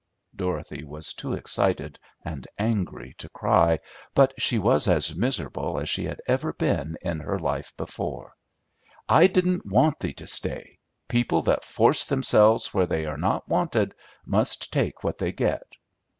Dorothy was too excited and angry to cry, but she was as miserable as she had ever been in her life before. "I didn't want thee to stay. People that force themselves where they are not wanted must take what they get."